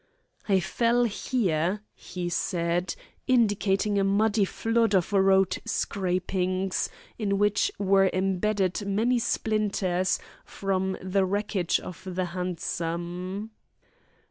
"I fell here," he said, indicating a muddy flood of road scrapings, in which were embedded many splinters from the wreckage of the hansom.